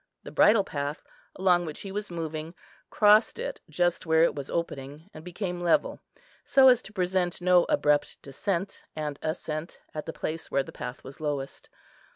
The bridle path, along which he was moving, crossed it just where it was opening and became level, so as to present no abrupt descent and ascent at the place where the path was lowest.